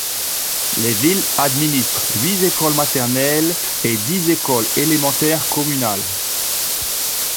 La ville administre huit écoles maternelles et dix écoles élémentaires communales.